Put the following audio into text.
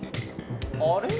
あれ？